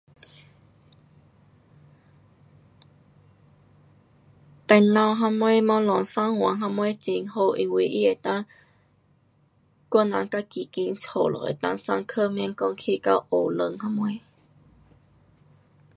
电脑什么东西上网什么很好因为它能够，我人自己在家就能够上课，免讲去到学堂什么。